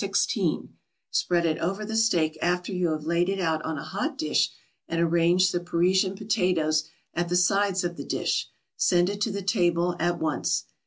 16; spread it over the steak after you have laid it on a hot dish, and arrange the Parisian potatoes at the sides of the dish; send it to the table at once.